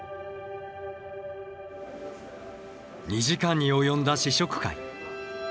２時間に及んだ試食会。